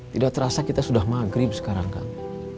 tidak terasa kita sudah maghrib sekarang kang